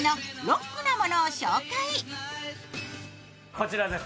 こちらです。